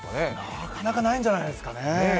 なかなかないんじゃないですかね。